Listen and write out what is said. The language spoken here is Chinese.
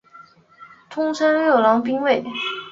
通称六郎兵卫。